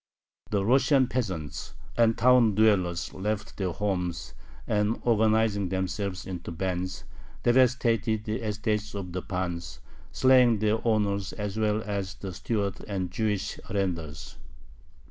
The Russian peasants and town dwellers left their homes, and, organizing themselves into bands, devastated the estates of the pans, slaying their owners as well as the stewards and Jewish arendars.